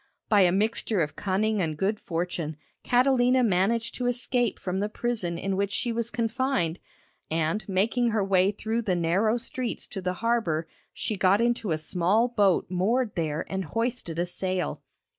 By a mixture of cunning and good fortune, Catalina managed to escape from the prison in which she was confined, and making her way through the narrow streets to the harbour, she got into a small boat moored there and hoisted a sail.